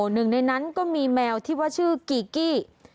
หนึ่งในนั้นก็มีแมวที่ว่าชื่อกีกี้